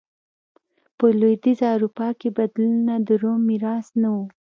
په لوېدیځه اروپا کې بدلونونه د روم میراث نه و.